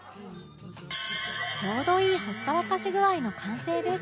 ちょうどいいほったらかし具合の完成です